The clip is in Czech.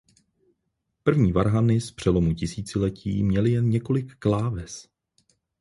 První varhany z přelomu tisíciletí měly jen několik kláves.